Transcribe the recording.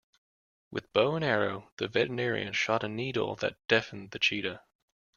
With bow and arrow the veterinarian shot a needle that deafened the cheetah.